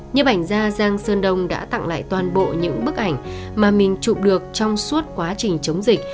như ảnh ra giang sơn đồng đã tặng lại toàn bộ những bức ảnh mà mình chụp được trong suốt quá trình chống dịch